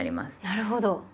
なるほど。